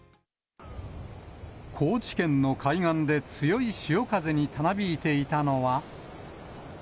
高知県の海岸で強い潮風にたなびいていたのは。